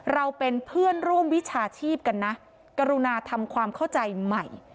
เราเป็นเพื่อนร่วมวิชาชีพกันนะกรุณาทำความเข้าใจใหม่